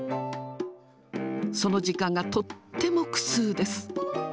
その時間がとっても苦痛です。